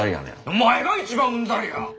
お前が一番うんざりや！